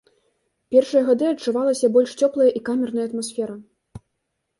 Першыя гады адчувалася больш цёплая і камерная атмасфера.